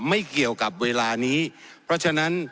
ไม่เกี่ยวกับเวลานี้เพราะฉะนั้น